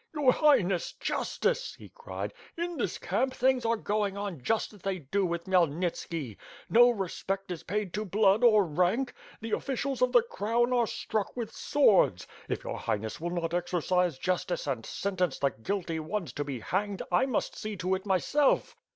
"Your Highness, justice!" he cried. "In this camp, things are going on just as they do with Khmyelnitski. No respect is paid to blood or rank. The ofiBcials of the crown are struck with swords. If your Highness will not exercise justice and sentence the guilty ones to be hanged, I must see to it myself."